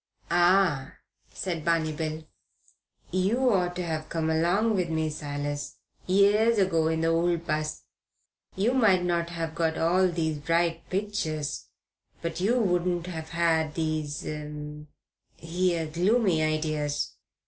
"Ah," said Barney Bill, "you ought to have come along o' me, Silas, years ago in the old 'bus. You mightn't have got all these bright pictures, but you wouldn't have had these 'ere gloomy ideas.